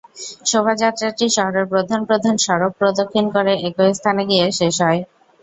শোভাযাত্রাটি শহরের প্রধান প্রধান সড়ক প্রদক্ষিণ করে একই স্থানে গিয়ে শেষ হয়।